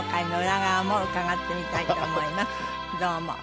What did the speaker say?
どうも。